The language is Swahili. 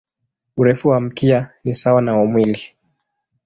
Urefu wa mkia ni sawa na mwili.